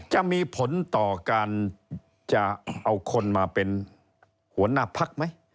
จะมีผลต่อการจะเอาคนมาเป็นหัวหน้าพักไหม